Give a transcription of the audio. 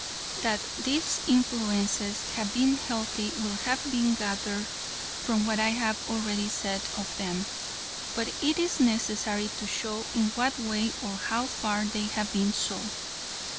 That these influences have been healthy will have been gathered from what I have already said of them, but it is necessary to show in what way and how far they have been so.